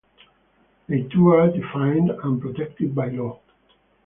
They too are defined and protected by law.